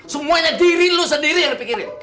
semuanya diri lu sendiri yang dipikirin